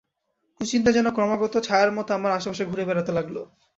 কুচিন্তা যেন ক্রমাগত ছায়ার মতো আমার আশেপাশে ঘুরে বেড়াতে লাগল।